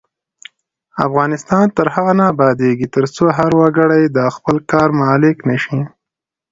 افغانستان تر هغو نه ابادیږي، ترڅو هر وګړی د خپل کار مالک نشي.